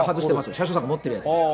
車掌さんが持ってるやつです。